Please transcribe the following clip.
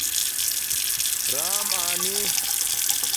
رام آنی